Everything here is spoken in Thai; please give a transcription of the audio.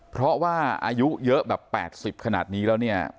เพราะว่าอายุเยอะแบบ๘๐ขนาดนี้แล้วเนี่ย